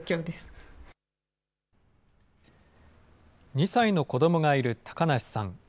２歳の子どもがいる高梨さん。